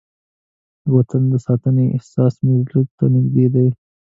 د وطن د ساتنې احساس مې زړه ته نږدې دی.